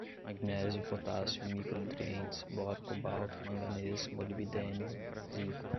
magnésio, potássio, micronutrientes, boro, cobalto, manganês, molibdênio, zinco